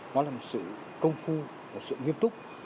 nó là một sự công phu một sự nghiêm túc